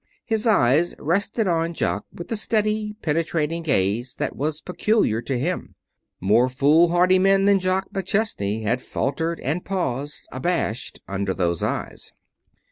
His eyes rested on Jock with the steady, penetrating gaze that was peculiar to him. More foolhardy men than Jock McChesney had faltered and paused, abashed, under those eyes.